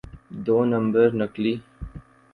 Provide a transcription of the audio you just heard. دو number نکلی۔